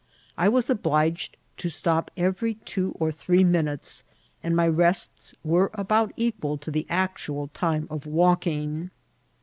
I was obliged to stop every two or three minutes, and my rests were about equal to the actual time of walking.